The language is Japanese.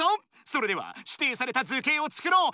それではしていされた図形を作ろう！